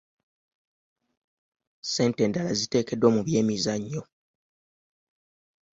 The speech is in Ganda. Ssente endala ziteekeddwa mu byemizannyo.